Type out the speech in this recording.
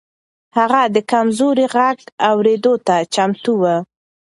هغه د کمزورو غږ اورېدو ته چمتو و.